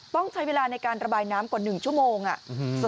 ต้องใช้เวลาในการระบายน้ำกว่าหนึ่งชั่วโมงอ่ะ